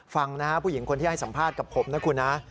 ฟังนะฮะผู้หญิงคนที่ให้สัมภาษณ์กับผมนะคุณนะ